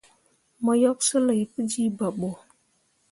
Mo yok sulay pu jiiba ɓo.